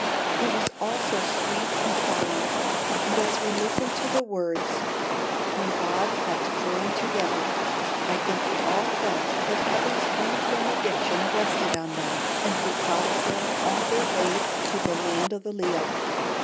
It was all so sweet and solemn, and as we listened to the words, "Whom God hath joined together," I think we all felt that heaven's own benediction rested on them, and would follow them all their way to the "Land o' the Leal."